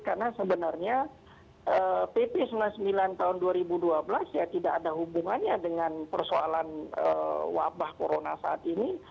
karena sebenarnya pp sembilan puluh sembilan tahun dua ribu dua belas ya tidak ada hubungannya dengan persoalan wabah corona saat ini